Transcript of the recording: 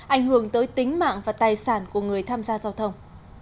ảnh hưởng tới tính mạng và tài sản của người tham gia giao thông